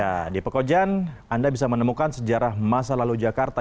ya di pekojan anda bisa menemukan sejarah masa lalu jakarta